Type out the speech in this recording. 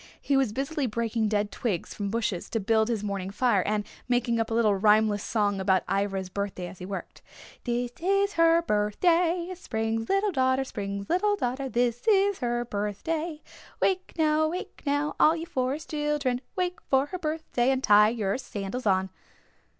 He was busily breaking dead twigs from bushes to build his morning fire and making up a little rhymeless song about Ivra's birthday as he worked. This is her birthday, Spring's little daughter Spring's little daughter This is her birthday. Wake now, wake now, All you Forest Children, Wake for her birthday And tie your sandals on.